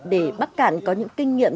để bắc cạn có những kinh nghiệm